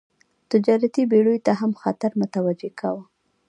تجارتي بېړیو ته هم خطر متوجه کاوه.